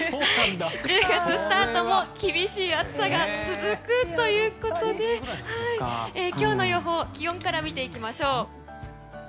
１０月スタートも厳しい暑さが続くということで今日の予報を気温から見ていきましょう。